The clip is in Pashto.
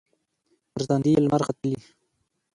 پر تندې یې لمر ختلي